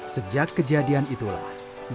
sejak kejadian itulah